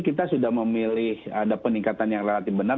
kita sudah memilih ada peningkatan yang relatif benar